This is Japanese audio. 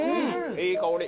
いい香り。